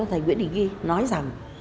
thầy nguyễn định ghi nói rằng